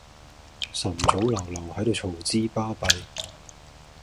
晨早流流喺度嘈之巴閉